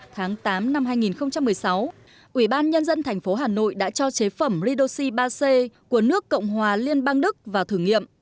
tháng tám năm hai nghìn một mươi sáu ủy ban nhân dân thành phố hà nội đã cho chế phẩm redoxi ba c của nước cộng hòa liên bang đức vào thử nghiệm